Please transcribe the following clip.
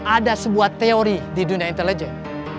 ada sebuah teori di dunia intelijen